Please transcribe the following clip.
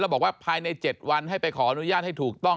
บอกว่าภายใน๗วันให้ไปขออนุญาตให้ถูกต้อง